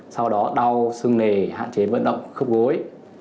sau đó đau sưng nề hạn chế vận động khớp gối